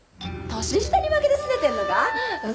年下に負けてすねてんのか？